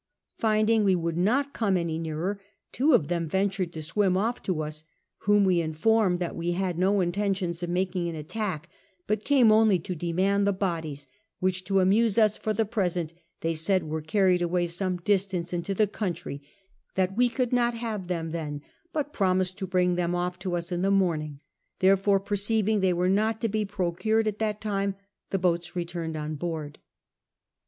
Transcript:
Finding we would not come any neawer, two of them ventured to swim off to us ; whom WT. informed that we had no intentions of making an attack, but came only to demand the bodies, which, to amuse us for the present, they said were carried away some distance into the country ; that we could not have them then, but promised to bring them off to us in the morning ; therefore perceiving they were not to be procured at that time, the boats returned on lioard.